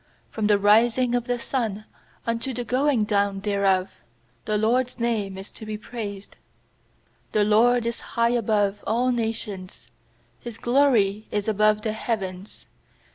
3From the rising of the sun unto the going down thereof The LORD'S name is to be praised. 4The LORD is high above all nations, His glory is above the heavens.